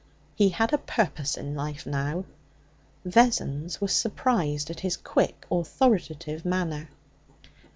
He had a purpose in life now. Vessons was surprised at his quick, authoritative manner.